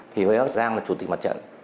thì bác giang là chủ tịch mặt trận